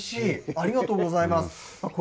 ありがとうございます。